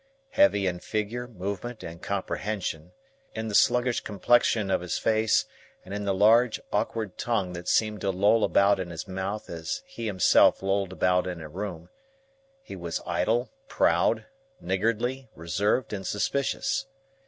Heavy in figure, movement, and comprehension,—in the sluggish complexion of his face, and in the large, awkward tongue that seemed to loll about in his mouth as he himself lolled about in a room,—he was idle, proud, niggardly, reserved, and suspicious.